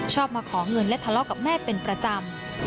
มาขอเงินและทะเลาะกับแม่เป็นประจำ